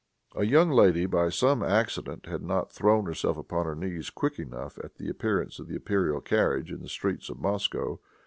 A young lady, by some accident, had not thrown herself upon her knees quick enough at the appearance of the imperial carriage in the streets of Moscow.